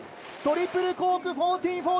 トリプルコーク１４４０